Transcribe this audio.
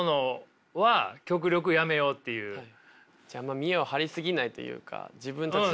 あんま見えを張り過ぎないというか自分たちの。